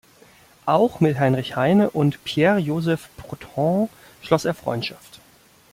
Auch mit Heinrich Heine und Pierre-Joseph Proudhon schloss er Freundschaft.